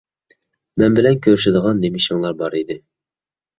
مەن بىلەن كۆرۈشىدىغان نېمە ئىشىڭلار بار ئىدى؟